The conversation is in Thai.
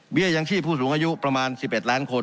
เบี้ยยังชีพผู้สูงอายุประมาณสิบเอ็ดล้านคน